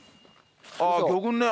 ああ魚群ね。